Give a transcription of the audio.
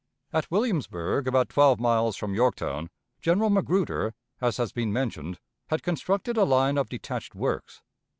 At Williamsburg, about twelve miles from Yorktown, General Magruder, as has been mentioned, had constructed a line of detached works.